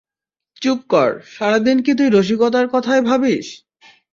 চুপ কর, সারাদিন কি তুই রসিকতার কথাই ভাবিস?